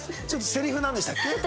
ちょっとセリフなんでしたっけ？